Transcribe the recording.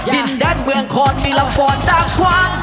ดินแดนเมืองคลอนมีรับฝอนตามความ